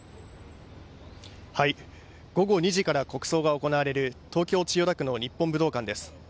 午後２時から国葬が行われる東京・千代田区の日本武道館です。